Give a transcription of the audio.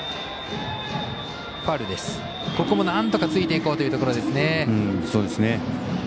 ここも、なんとかついていこうというところ。